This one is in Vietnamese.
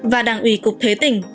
và đảng ủy cục thuế tỉnh